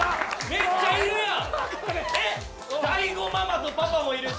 めっちゃいるやん！